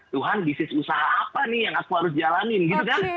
tuhan bisnis usaha apa nih yang aku harus jalanin gitu kan